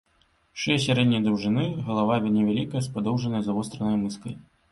Шыя сярэдняй даўжыні, галава невялікая з падоўжанай, завостранай мыскай.